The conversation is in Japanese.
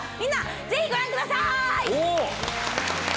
ぜひご覧ください！